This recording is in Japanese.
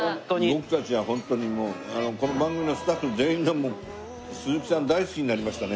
僕たちはホントにもうこの番組のスタッフ全員が鈴木さん大好きになりましたね。